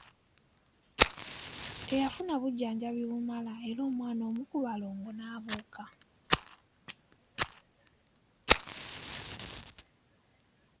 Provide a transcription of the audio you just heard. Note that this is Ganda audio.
Teyafuna bujjanjabi bumala era omwana omu ku balongo n'abuuka.